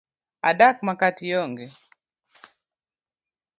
Adak makata ionge.